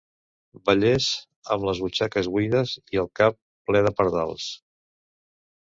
Vallès amb les butxaques buides i el cap ple de pardals.